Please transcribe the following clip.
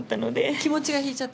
気持ちがひいちゃった？